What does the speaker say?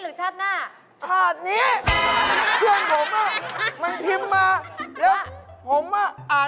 เรื่องอะไรน่ะล่ามา